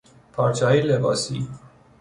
پارچههای لباسی